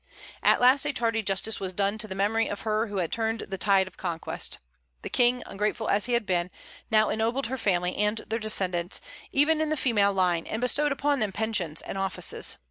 At last a tardy justice was done to the memory of her who had turned the tide of conquest. The King, ungrateful as he had been, now ennobled her family and their descendants, even in the female line, and bestowed upon them pensions and offices.